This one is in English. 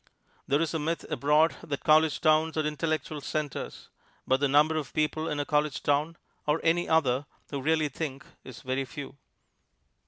There is a myth abroad that college towns are intellectual centers; but the number of people in a college town (or any other) who really think, is very few.